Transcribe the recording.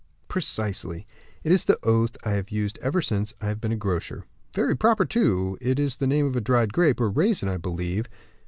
"Precisely." "It is the oath I have used ever since I have been a grocer." "Very proper, too; it is the name of a dried grape, or raisin, I believe?"